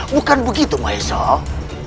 bukan begitu maezah